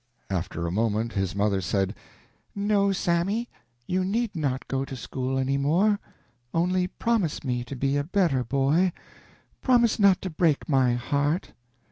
After a moment his mother said: "No, Sammy, you need not go to school any more. Only promise me to be a better boy. Promise not to break my heart!"